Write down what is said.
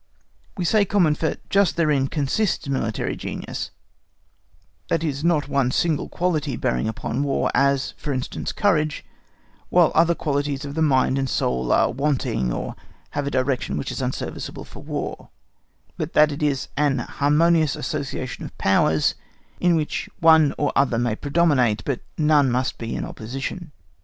We say "common," for just therein consists military genius, that it is not one single quality bearing upon War, as, for instance, courage, while other qualities of mind and soul are wanting or have a direction which is unserviceable for War, but that it is AN HARMONIOUS ASSOCIATION OF POWERS, in which one or other may predominate, but none must be in opposition.